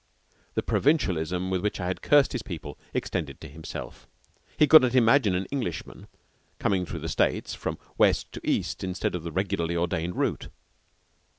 The provincialism with which I had cursed his people extended to himself. He could not imagine an Englishman coming through the States from west to east instead of by the regularly ordained route.